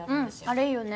あれいいよね。